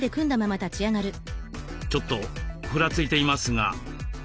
ちょっとふらついていますが。